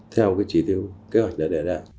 theo trí tiêu kế hoạch đề ra